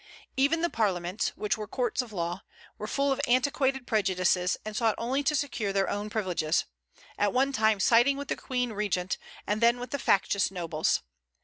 Even the parliaments, which were courts of law, were full of antiquated prejudices, and sought only to secure their own privileges, at one time siding with the Queen regent, and then with the factious nobles.